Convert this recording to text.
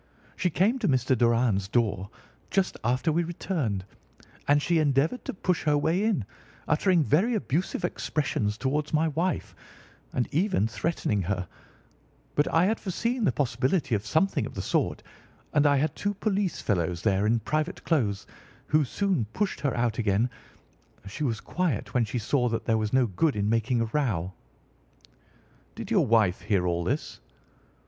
She came to Mr. Doran's door just after we returned, and she endeavoured to push her way in, uttering very abusive expressions towards my wife, and even threatening her, but I had foreseen the possibility of something of the sort, and I had two police fellows there in private clothes, who soon pushed her out again. She was quiet when she saw that there was no good in making a row." "Did your wife hear all this?"